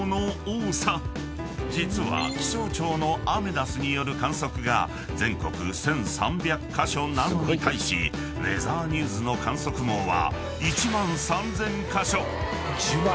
［実は気象庁のアメダスによる観測が全国１，３００カ所なのに対しウェザーニューズの観測網は］